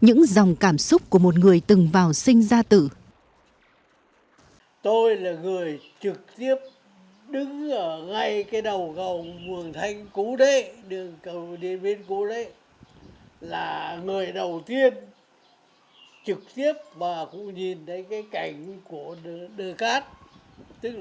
những dòng sức khỏe những trận đánh lịch sử trên mảnh đất điện biên phủ anh hùng